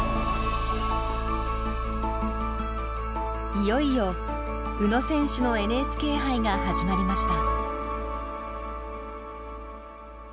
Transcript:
いよいよ宇野選手のＮＨＫ杯が始まりました。